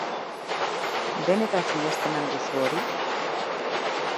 Benetan sinesten al duzu hori?